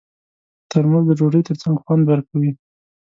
ترموز د ډوډۍ ترڅنګ خوند ورکوي.